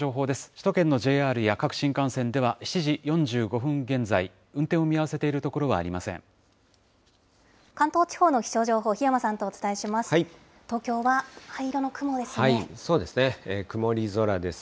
首都圏のＪＲや各新幹線では７時４５分現在、運転を見合わせてい関東地方の気象情報、檜山さんとお伝えします。